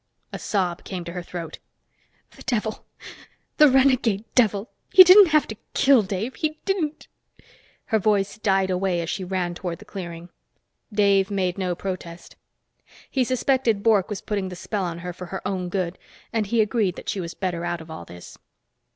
A sob came to her throat. "The devil! The renegade devil! He didn't have to kill Dave! He didn't " Her voice died away as she ran toward the clearing. Dave made no protest. He suspected Bork was putting the spell on her for her own good, and he agreed that she was better out of all this.